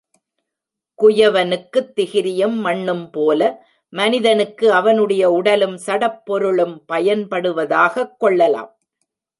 குயவனுக்குத் திகிரியும் மண்ணும் போல, மனிதனுக்கு அவனுடைய உடலும் சடப் பொருளும் பயன்படுவதாகக் கொள்ளலாம்.